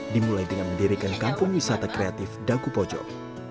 dimulai dengan mendirikan kampung wisata kreatif daku pojok